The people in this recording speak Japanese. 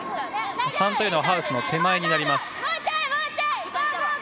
３はハウスの手前になります。